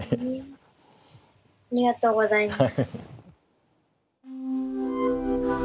ありがとうございます。